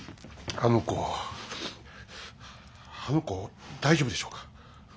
あの子大丈夫でしょうか。